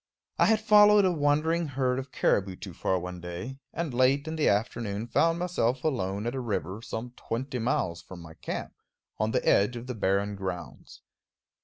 I had followed a wandering herd of caribou too far one day, and late in the afternoon found myself alone at a river, some twenty miles from my camp, on the edge of the barren grounds.